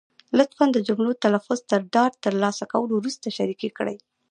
لطفا د جملو تلفظ تر ډاډ تر لاسه کولو وروسته شریکې کړئ.